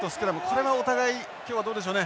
これはお互い今日はどうでしょうね